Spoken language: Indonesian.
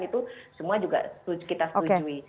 itu semua juga kita setujui